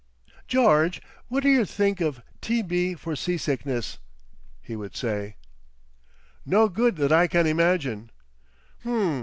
"George, whad'yer think of T.B. for sea sickness?" he would say. "No good that I can imagine."